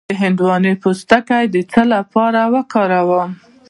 د هندواڼې پوستکی د څه لپاره وکاروم؟